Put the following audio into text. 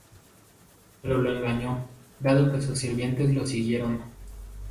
Pero lo engañó, dado que sus sirvientes lo siguieron.